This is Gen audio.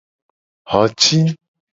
Xo ci.